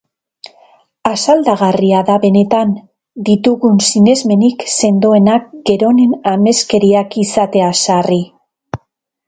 Asaldagarria da benetan, ditugun sinesmenik sendoenak geronen ameskeriak izatea sarri.